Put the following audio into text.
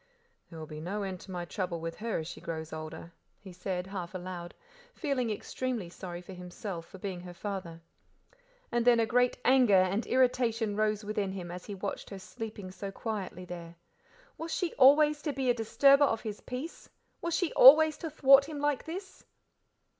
"There will be no end to my trouble with her as she grows older," he said, half aloud, feeling extremely sorry for himself for being her father. Then a great anger and irritation rose within him as he watched her sleeping so quietly there. Was she always to be a disturber of his peace? Was she always to thwart him like this?